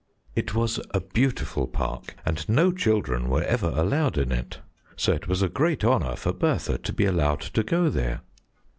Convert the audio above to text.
It was a beautiful park, and no children were ever allowed in it, so it was a great honour for Bertha to be allowed to go there."